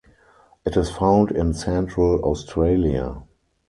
It is found in central Australia.